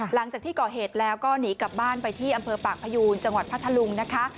หลังจากที่ก่อเหตุแล้วก็หนีกลับบ้านไปที่อำเภอปากพยูนจังหวัดพัทธลุงนะคะ